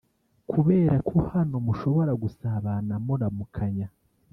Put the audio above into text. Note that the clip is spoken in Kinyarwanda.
kubera ko hano mushobora gusabana muramukanya